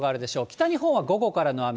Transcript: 北日本は午後からの雨。